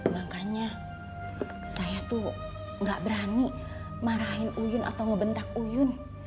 makanya saya tuh gak berani marahin uyun atau ngebentak uyun